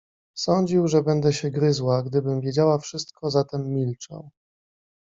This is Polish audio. "Sądził, że będę się gryzła, gdybym wiedziała wszystko, zatem milczał."